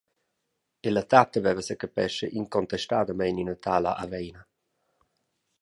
E la tatta veva secapescha incontestadamein ina tala aveina.